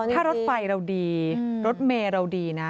ถ้ารถไฟเราดีรถเมย์เราดีนะ